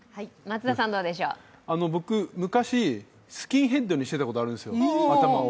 僕、昔、スキンヘッドにしてたことあるんですよ、頭を。